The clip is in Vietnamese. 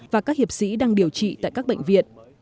và các hiệp sĩ đang điều trị tại các bệnh viện